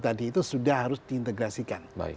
tadi itu sudah harus diintegrasikan